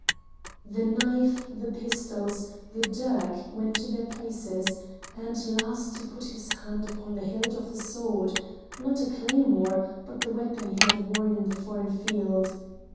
The knife the pistols the dirk, went to their places, and last he put his hand upon the hilt of a sword not a claymore, but the weapon he had worn in the foreign field.